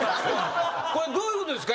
これどういうことですか？